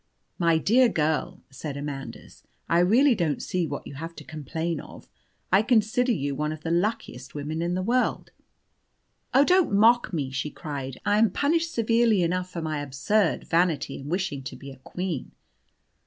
"My dear girl," said Amandus, "I really don't see what you have to complain of. I consider you one of the luckiest women in the world." "Oh, don't mock at me," she cried. "I am punished severely enough for my absurd vanity in wishing to be a Queen."